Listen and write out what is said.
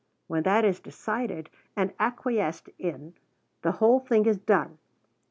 When that is decided and acquiesced in, the whole thing is done.